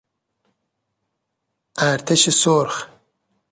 ارتش سرخ